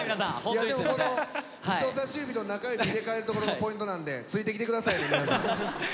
いやでもこの人さし指と中指入れ替えるところがポイントなんでついてきてください